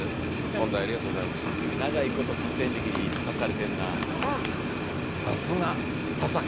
長いこと河川敷にいさせられてんなあ。